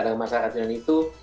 dan masyarakat yunani itu